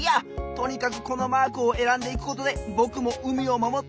とにかくこのマークをえらんでいくことでぼくも海をまもっていくぞ！